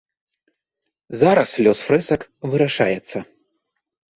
Зараз лёс фрэсак вырашаецца.